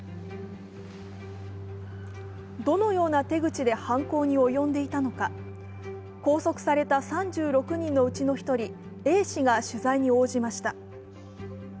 どのような手口で犯行に及んでいたのか、拘束された３６人のうちの１人、Ａ氏が取材に応じました。